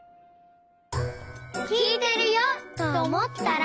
きいてるよとおもったら。